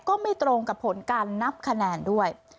ก็ไม่ตรงกับผลการนับคะแนนด้วย